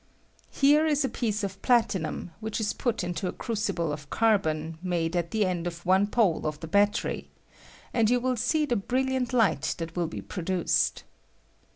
Here is a piece of platinum, which is put into a cru cible of carbon made at the end of one pole of the batteiy, and jou will see the brilliant light that will be produced.